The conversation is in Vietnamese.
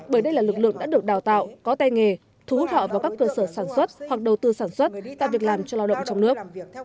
bởi đây là lực lượng đã được đào tạo có tay nghề thu hút họ vào các cơ sở sản xuất hoặc đầu tư sản xuất tạo việc làm cho lao động trong nước